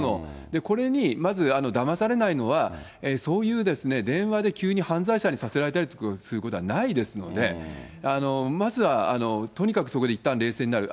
これに、まずだまされないのは、そういう電話で急に犯罪者にさせられたりすることはないですので、まずはとにかくそこでいったん冷静になる。